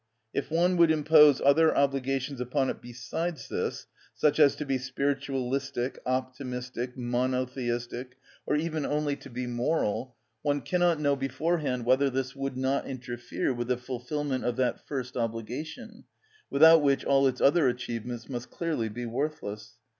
If one would impose other obligations upon it besides this, such as to be spiritualistic, optimistic, monotheistic, or even only to be moral, one cannot know beforehand whether this would not interfere with the fulfilment of that first obligation, without which all its other achievements must clearly be worthless.